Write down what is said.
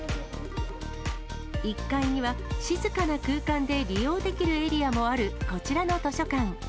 １階には静かな空間で利用できるエリアもある、こちらの図書館。